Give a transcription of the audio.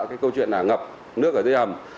cái câu chuyện là ngập nước ở dưới hầm